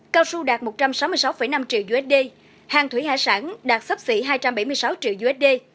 cao su đạt một trăm sáu mươi sáu năm triệu usd hàng thủy hải sản đạt sấp xỉ hai trăm bảy mươi sáu triệu usd